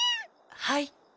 はい。